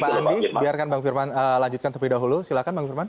pak andi biarkan bang firman lanjutkan terlebih dahulu silahkan bang firman